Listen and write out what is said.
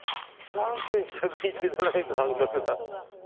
３２２７円が半額だ。